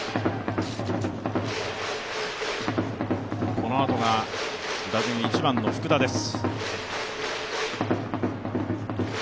このあとが打順１番の福田です。